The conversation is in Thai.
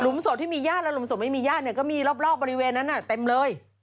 สดที่มีญาติและหลุมศพไม่มีญาติเนี่ยก็มีรอบบริเวณนั้นเต็มเลย